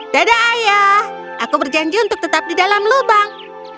dada ayah aku berjanji untuk tetap di dalam lubang